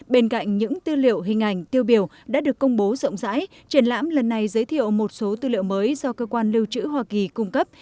bên cạnh những tư liệu hình ảnh tiêu biểu đã được công bố rộng rãi triển lãm lần này giới thiệu một số tư liệu mới do cơ quan lưu trữ hoa kỳ cung cấp